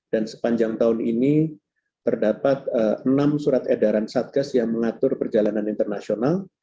dan sepanjang tahun ini terdapat enam surat edaran satgas yang mengatur perjalanan internasional